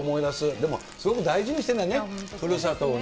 でも、すごく大事にしてるんだね、ふるさとをね。